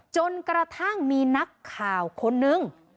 จนกระทั่งมีนักข่าวคนนึง